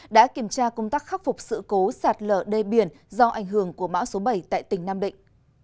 đã kiểm tra công tác khắc phục sự cố sạt lở đê biển do ảnh hưởng của bão số bảy tại tỉnh nam định